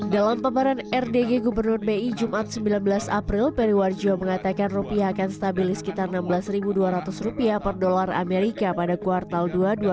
dalam pembaharan rdg gubernur bi jumat sembilan belas april periwarjo mengatakan rupiah akan stabilis sekitar enam belas dua ratus rupiah per dolar amerika pada kuartal dua dua ribu dua puluh empat